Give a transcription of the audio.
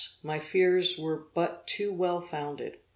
my fears were but too well founded.